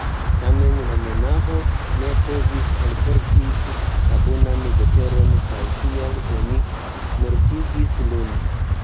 Tamen la monaĥo ne povis alportis la bonan veteron kaj tial oni mortigis lin.